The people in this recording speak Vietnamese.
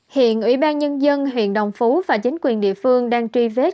hiện ủy ban nhân dân huyện đồng phú và chính quyền địa phương đang truy vết